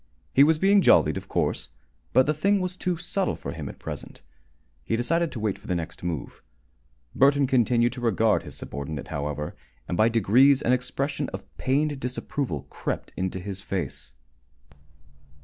He was being jollied, of course, but the thing was too subtle for him at present. He decided to wait for the next move. Burton continued to regard his subordinate, however, and by degrees an expression of pained disapproval crept into his face.